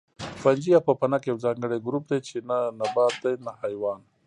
فنجي یا پوپنک یو ځانګړی ګروپ دی چې نه نبات دی نه حیوان